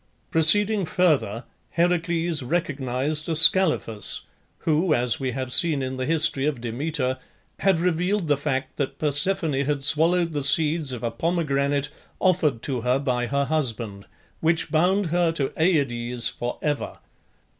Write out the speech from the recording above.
Proceeding further Heracles recognized Ascalaphus, who, as we have seen in the history of Demeter, had revealed the fact that Persephone had swallowed the seeds of a pomegranate offered to her by her husband, which bound her to Aides for ever.